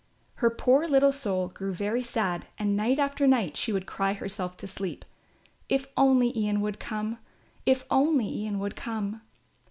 Her poor little soul grew very sad and night after night she would cry herself to sleep; "If only Ian would come If only Ian would come."